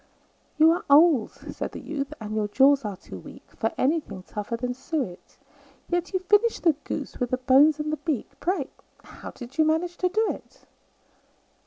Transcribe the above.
"You are old," said the youth, "and your jaws are too weak For anything tougher than suet; Yet you finished the goose, with the bones and the beak Pray, how did you manage to do it?"